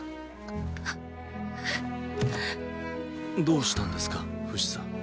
どうしたんですかフシさん。